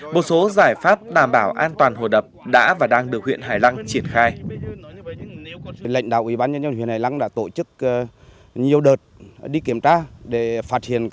một số giải pháp đảm bảo an toàn hồ đập đã và đang được huyện hải lăng triển khai